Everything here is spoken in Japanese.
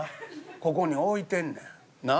ここに置いてんねんなあ。